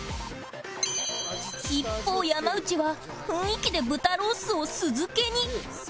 一方山内は雰囲気で豚ロースを酢漬けに